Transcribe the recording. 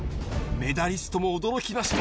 メダリストも驚きました。